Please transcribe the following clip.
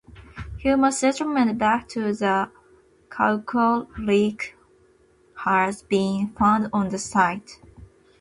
Human settlement back to the Chalcolithic has been found on the site.